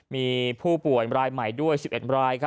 มีผู้ป่วยรายใหม่ด้วย๑๑ราย